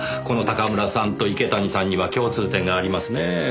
この高村さんと池谷さんには共通点がありますねえ。